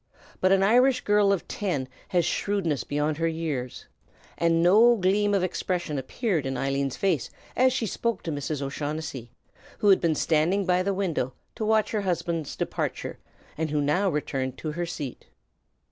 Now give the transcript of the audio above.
But an Irish girl of ten has shrewdness beyond her years, and no gleam of expression appeared in Eileen's face as she spoke to Mrs. O'Shaughnessy, who had been standing by the window to watch her husband's departure, and who now returned to her seat.